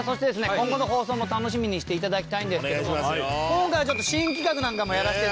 今後の放送も楽しみにして頂きたいんですけど今回はちょっと新企画なんかもやらせて頂いて。